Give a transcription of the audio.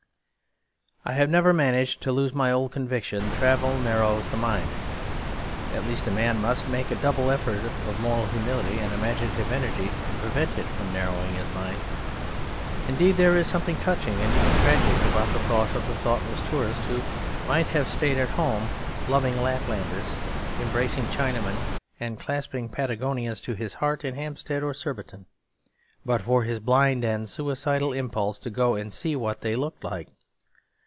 _ I have never managed to lose my old conviction that travel narrows the mind. At least a man must make a double effort of moral humility and imaginative energy to prevent it from narrowing his mind. Indeed there is something touching and even tragic about the thought of the thoughtless tourist, who might have stayed at home loving Laplanders, embracing Chinamen, and clasping Patagonians to his heart in Hampstead or Surbiton, but for his blind and suicidal impulse to go and see what they looked like.